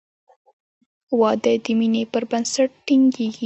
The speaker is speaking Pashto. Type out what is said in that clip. • واده د مینې پر بنسټ ټینګېږي.